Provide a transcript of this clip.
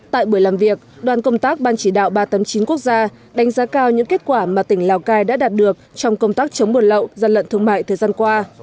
tại buổi làm việc đoàn công tác ban chỉ đạo ba trăm tám mươi chín quốc gia đánh giá cao những kết quả mà tỉnh lào cai đã đạt được trong công tác chống buồn lậu gian lận thương mại thời gian qua